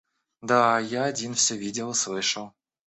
Да, я один всё видел и слышал.